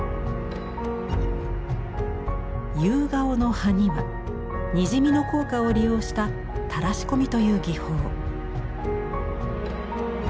夕顔の葉にはにじみの効果を利用した「たらしこみ」という技法。